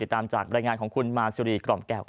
ติดตามจากรายงานของคุณมาซิรีครอมแก้ว